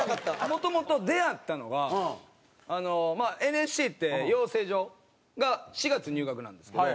もともと出会ったのはＮＳＣって養成所が４月入学なんですけど。